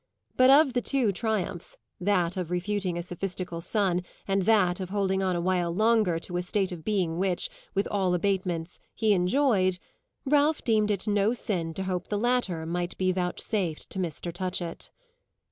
But of the two triumphs, that of refuting a sophistical son and that of holding on a while longer to a state of being which, with all abatements, he enjoyed, Ralph deemed it no sin to hope the latter might be vouchsafed to Mr. Touchett.